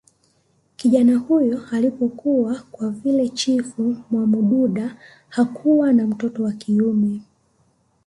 kijana huyo alipokua kwa vile chifu mwamududa hakuwa na mtoto wa kiume